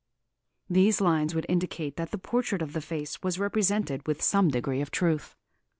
These lines would indicate that the portrait of the face was represented with some degree of truth.